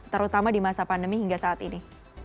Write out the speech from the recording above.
terutama di masa pandemi hingga saat ini